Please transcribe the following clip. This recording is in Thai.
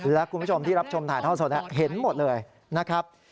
และคุณผู้ชมที่รับชมถ่ายท่อสดเห็นหมดเลยนะครับ